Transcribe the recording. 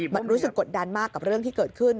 มันรู้สึกกดดันมากกับเรื่องที่เกิดขึ้น